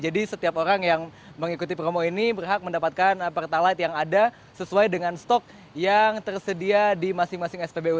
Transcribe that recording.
jadi setiap orang yang mengikuti promo ini berhak mendapatkan pertalite yang ada sesuai dengan stok yang tersedia di masing masing spbu